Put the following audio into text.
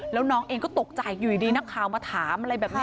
แล้วน้องเองก็ตกใจอยู่ดีนักข่าวมาถามอะไรแบบนี้